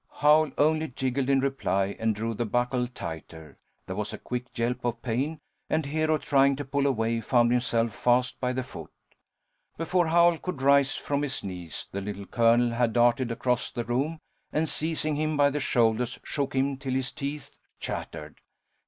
Howl only giggled in reply and drew the buckle tighter. There was a quick yelp of pain, and Hero, trying to pull away found himself fast by the foot. Before Howl could rise from his knees, the Little Colonel had darted across the room, and seizing him by the shoulders, shook him till his teeth chattered.